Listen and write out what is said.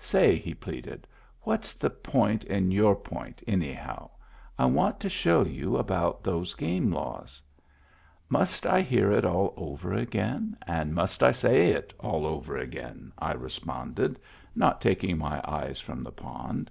Say," he pleaded, " what's the point in your point, anyhow? I want to show you about those game laws." " Must I hear it all over again and must I say it all over again?" I responded, not taking my eye from the pond.